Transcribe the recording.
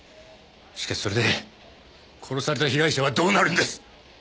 しかしそれで殺された被害者はどうなるんです？